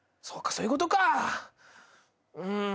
そういうことか。